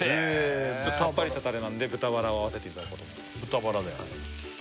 さっぱりしたタレなんで豚バラを合わせていただこうと思います